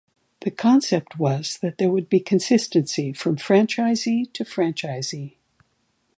The concept was that there would be consistency from franchisee to franchisee.